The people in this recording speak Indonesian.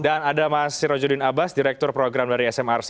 dan ada mas sirojodin abas direktur program dari smrc